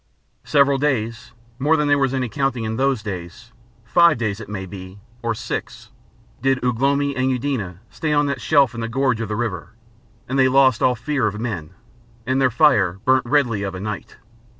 Several days, more than there was any counting in those days, five days, it may be, or six, did Ugh lomi and Eudena stay on that shelf in the gorge of the river, and they lost all fear of men, and their fire burnt redly of a night.